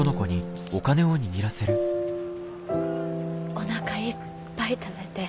おなかいっぱい食べて。